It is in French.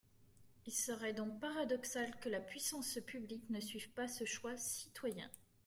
Il serait donc paradoxal que la puissance publique ne suive pas ce choix citoyen.